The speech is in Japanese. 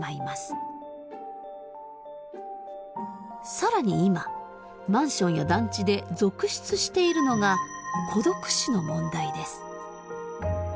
更に今マンションや団地で続出しているのが孤独死の問題です。